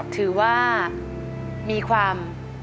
ถือว่ามีความ